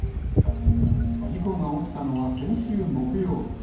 事故が起きたのは先週木曜日。